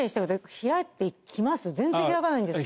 全然開かないんですけど。